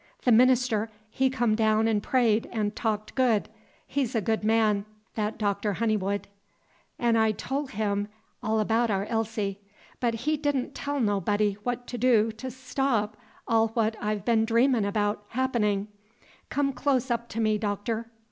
Th' minister, he come down 'n' prayed 'n' talked good, he's a good man, that Doctor Honeywood, 'n' I tol' him all 'bout our Elsie, but he did n' tell nobody what to do to stop all what I' been dreamin' about happenin'. Come close up to me, Doctor!"